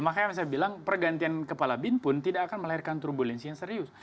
makanya saya bilang pergantian kepala bin pun tidak akan melahirkan turbulensi yang serius